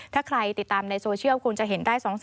ถ้าใครติดตามในโซเชียลคุณจะเห็นได้๒๓